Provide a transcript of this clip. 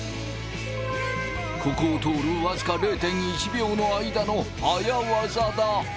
ここを通る僅か０．１秒の間の早ワザだ。